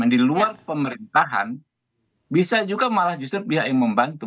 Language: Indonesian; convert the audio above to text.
di luar pemerintahan bisa juga malah justru pihak yang membantu